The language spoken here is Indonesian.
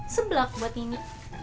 sebelak buat ini